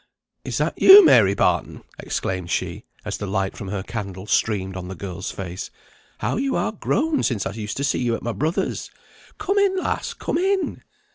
"Is that you, Mary Barton?" exclaimed she, as the light from her candle streamed on the girl's face. "How you are grown since I used to see you at my brother's! Come in, lass, come in."